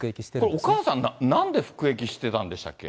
これお母さん、なんで服役してたんでしたっけ？